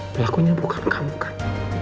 pelakunya bukan kamu kan